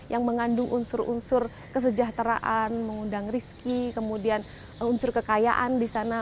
yang mengandung unsur unsur kesejahteraan mengundang rizki kemudian unsur kekayaan di sana